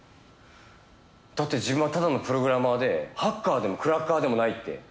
だって自分はただのプログラマーでハッカーでもクラッカーでもないって。